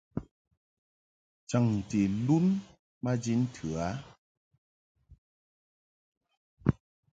Chaŋti lun maji ntɨ a.